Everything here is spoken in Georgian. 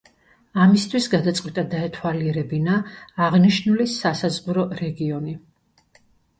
ამისათვის გადაწყვიტა დაეთვალიერებინა აღნიშნული სასაზღვრო რეგიონი.